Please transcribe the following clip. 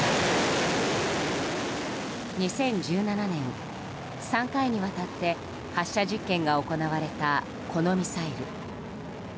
２０１７年、３回にわたって発射実験が行われたこのミサイル。